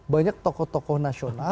banyak tokoh tokoh nasional